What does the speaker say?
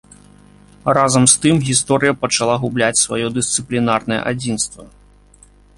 Разам з тым, гісторыя пачала губляць сваё дысцыплінарнае адзінства.